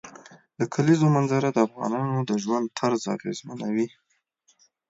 د کلیزو منظره د افغانانو د ژوند طرز اغېزمنوي.